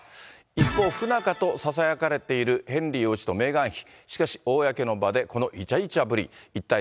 一方、不仲とささやかれているヘンリー王子とメーガン妃。